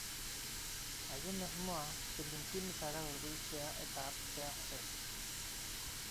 Haien asmoa Filipinetara hurbiltzea eta hartzea zen.